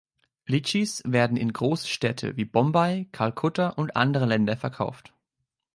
Litschis werden in große Städte wie Bombay, Kalkutta und in andere Länder verkauft.